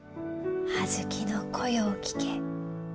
あずきの声を聞け。